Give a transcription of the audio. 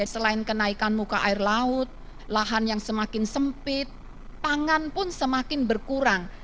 selain kenaikan muka air laut lahan yang semakin sempit pangan pun semakin berkurang